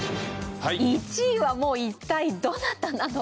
１位は一体どなたなのか？